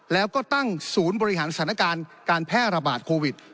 แล้วก็ตั้งศูนย์บริหารสถานการณ์การแพร่ระบาดโควิด